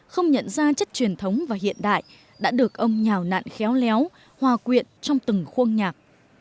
không nhận ra chất truyền thống và hiện đại đã được ông nhào nạn khéo léo hòa quyện trong từng khuôn nhạc